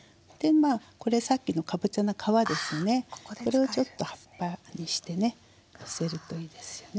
これをちょっと葉っぱにしてねのせるといいですよね。